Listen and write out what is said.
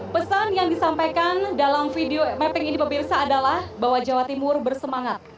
pesan yang disampaikan dalam video mapping ini pemirsa adalah bahwa jawa timur bersemangat